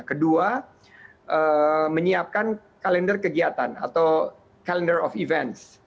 kedua menyiapkan kalender kegiatan atau kalender of events